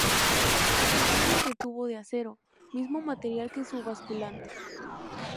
El chasis es de tubo de acero, mismo material que su basculante.